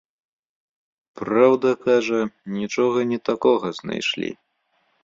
Праўда, кажа нічога не такога знайшлі.